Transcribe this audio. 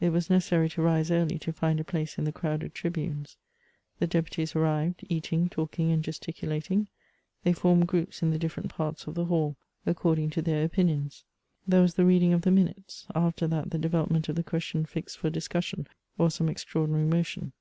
It was necessary to rise .early to find a place in tn^ crowded tribunes. The deputies arrived, eating, talking, and gesticulating ; they formed groups in the different parts of the hall, according to their opinions. There was the reading of the minutes ; after that the development of the question fixed for discussion, or some extraordinary motion.